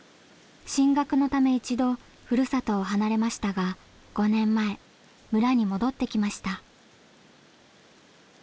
進学のため一度ふるさとを離れましたが５年前村に戻ってきました。